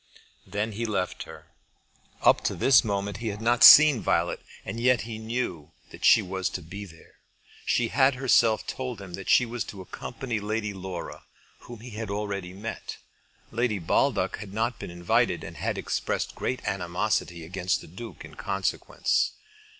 Then he left her. Up to this moment he had not seen Violet, and yet he knew that she was to be there. She had herself told him that she was to accompany Lady Laura, whom he had already met. Lady Baldock had not been invited, and had expressed great animosity against the Duke in consequence.